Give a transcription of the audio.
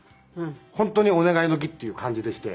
「本当にお願いの儀っていう感じでして」